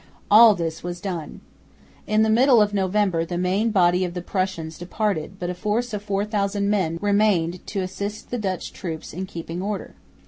All this was done. In the middle of November the main body of the Prussians departed, but a force of 4000 men remained to assist the Dutch troops in keeping order.